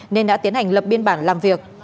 nên đã tiến hành lập biên bản làm việc